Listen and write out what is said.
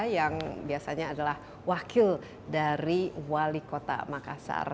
yang biasanya adalah wakil dari wali kota makassar